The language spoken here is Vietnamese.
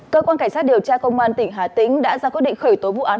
cơ quan cảnh sát điều tra công an tỉnh hà tĩnh đã ra quyết định khởi tố vụ án